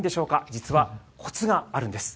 実はこつがあるんです。